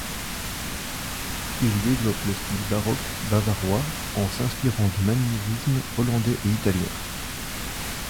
Il développe le style baroque bavarois en s'inspirant du maniérisme hollandais et italien.